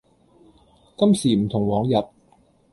今時唔同往日